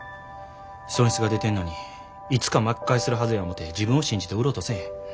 損失が出てんのにいつか巻き返せるはずや思て自分を信じて売ろうとせえへん。